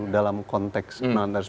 dalam konteks menandatars